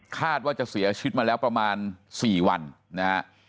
คาดว่าจะเสียชีวิตมาแล้วประมาณ๔วันนะฮะ